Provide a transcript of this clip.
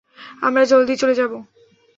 আমরা জলদিই চলে যাবো।